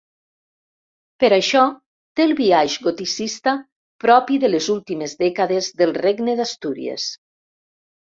Per això, té el biaix goticista propi de les últimes dècades del Regne d'Astúries.